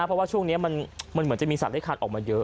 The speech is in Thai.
เพราะว่าช่วงนี้มันเหมือนจะมีสัตว์เลขคันออกมาเยอะ